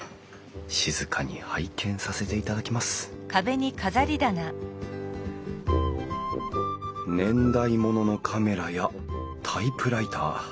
静かに拝見させていただきます年代物のカメラやタイプライター。